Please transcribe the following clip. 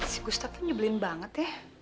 si ustadz tuh nyebelin banget ya